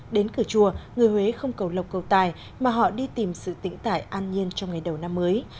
đến cửa chùa người huế không cầu lộc cầu tài mà họ đi tìm sự tĩnh tải an nhiên trong ngày đầu năm mới